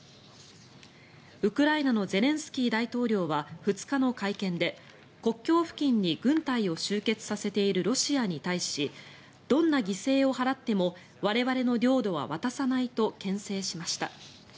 ウクライナのゼレンスキー大統領は２日の会見で国境付近に軍隊を集結させているロシアに対しどんな犠牲を払っても我々の領土は渡さないとけん制しました。